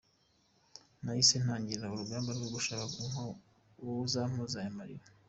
Nahise ntangira urugamba rwo gushaka uzampoza ayo marira.